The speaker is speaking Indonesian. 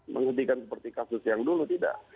menghentikan seperti kasus yang dulu tidak